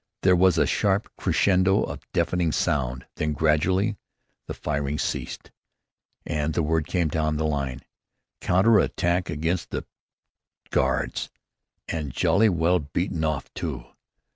There was a sharp crescendo of deafening sound, then, gradually, the firing ceased, and word came down the line, "Counter attack against the Guards; and jolly well beaten off too."